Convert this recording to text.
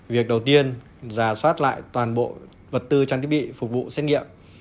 việc đầu tiên giả soát lại toàn bộ vật tư trang thiết bị phục vụ xét nghiệm